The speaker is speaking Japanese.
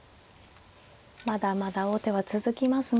まだまだ王手は続きますが。